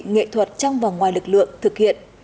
nghệ thuật trong và ngoài lực lượng thực hiện